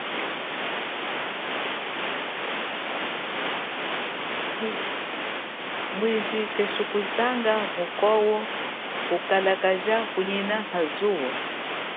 Mwiji keshi nyi kukakajala kunyina ha zuwo.